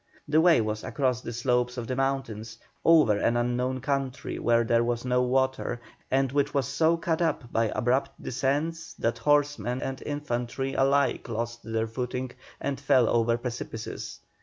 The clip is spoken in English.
The way was across the slopes of the mountains, over an unknown country where there was no water, and which was so cut up by abrupt descents that horsemen and infantry alike lost their footing and fell over precipices.